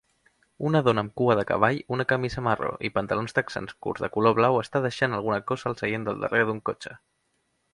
Una dona amb cua de cavall, una camisa marró i pantalons texans curs de color blau està deixant alguna cosa al seient del darrere d'un cotxe